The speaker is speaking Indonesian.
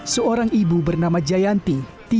seorang ibu bernama jayanti